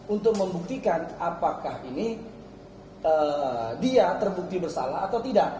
untuk membuktikan apakah ini dia terbukti bersalah atau tidak